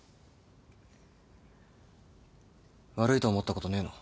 悪いと思ったことねえの？